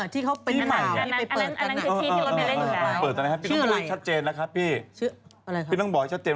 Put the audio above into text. แต่ว่าที่ใหม่เขาจะมีคุณพี่ส่วนกัน